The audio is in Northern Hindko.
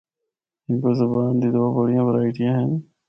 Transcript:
ہندکو زبان دے دو بڑیاں ورائٹیاں ہن۔